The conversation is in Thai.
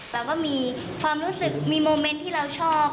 เราก็มีความรู้สึกมีโมเมนต์ที่เราชอบ